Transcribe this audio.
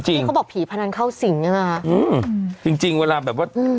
นี่เขาบอกผีพนันเข้าสิงนะคะ